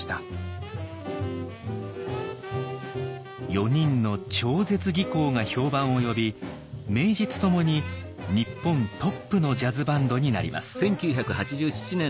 ４人の超絶技巧が評判を呼び名実ともに日本トップのジャズバンドになります。